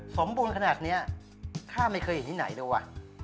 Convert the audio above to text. สมบูรณ์ขนาดนี้ถ้าไม่เคยเห็นที่ไหนดูว่ะ